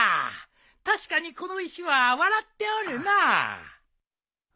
確かにこの石は笑っておるのう。